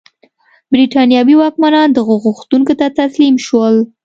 برېټانوي واکمنان دغو غوښتنو ته تسلیم شول.